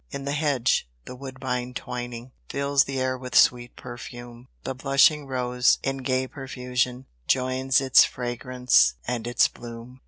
In the hedge, the woodbine twining, Fills the air with sweet perfume; The blushing rose, in gay profusion, Joins its fragrance and its bloom.